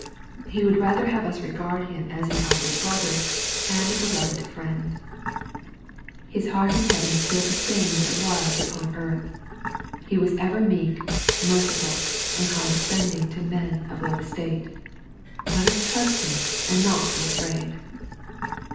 ( H« would have us rather regard Him as an elder Brother, and a beloved Friend,' ; His heart in heaven is stiU the 868 SXPOBITORT THOUGET& flame that it was upon earth. He is ever meek^ meicifal, and condescending to men of low estate. Ctjet ns trust Him and not be afraid.